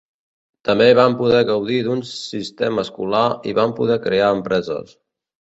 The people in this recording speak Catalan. També van poder gaudir d'un sistema escolar i van poder crear empreses.